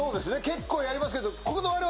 結構やりますが。